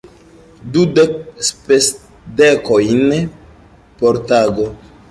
Dudek spesdekojn por tago!